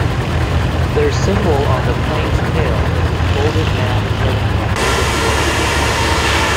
Their symbol on the plane's tail is a golden man carrying a golden world.